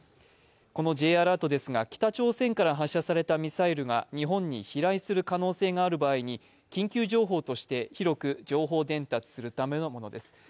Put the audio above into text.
このＪアラートですが、北朝鮮から発射されたミサイルが日本に飛来する可能性がある場合に緊急情報として広く情報伝達するためのものです